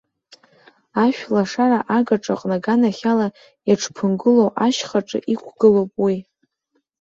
Ашәлашара агаҿаҟны аганахьала иаҽԥынгылоу ашьхаҿы иқәгылоуп уи.